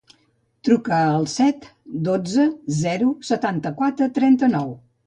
Truca al set, dotze, zero, setanta-quatre, trenta-nou.